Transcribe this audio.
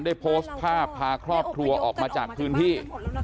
ได้โพสต์ภาพพาครอบครัวออกมาจากพื้นที่